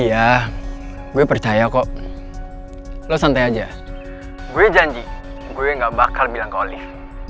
iya gue percaya kok lo santai aja gue janji gue gak bakal bilang kolif